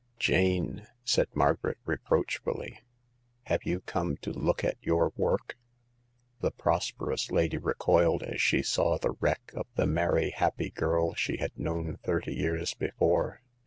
Jane," said Margaret, reproachfully, " have you come to look at your work ?'' The prosperous lady recoiled as she saw the wreck of the merry, happy girl she had known thirty years before.